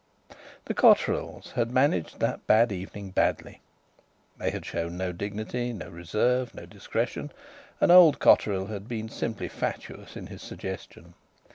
The Cotterills had managed that bad evening badly. They had shown no dignity, no reserve, no discretion; and old Cotterill had been simply fatuous in his suggestion.